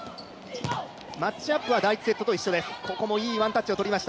マッチアップは第１セットと一緒です。